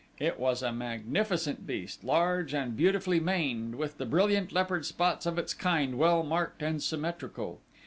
It was a magnificent beast, large and beautifully maned, with the brilliant leopard spots of its kind well marked and symmetrical.